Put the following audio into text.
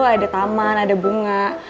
ada taman ada bunga